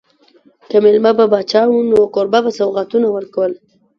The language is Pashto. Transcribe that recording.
که مېلمه به پاچا و نو کوربه به سوغاتونه ورکول.